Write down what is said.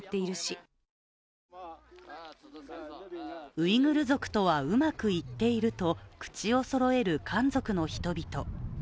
ウイグル族とはうまくいっていると口をそろえる、漢族の人々。